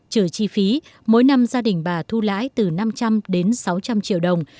trừ chi phí mỗi năm gia đình bà thu lãi từ năm trăm linh đến sáu trăm linh triệu đồng